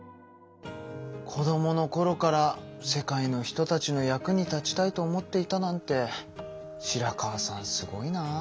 子どものころから世界の人たちの役に立ちたいと思っていたなんて白川さんすごいな。